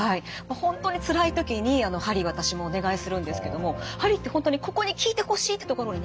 本当につらい時に鍼私もお願いするんですけども鍼って本当に「ここに効いてほしい！」って所にね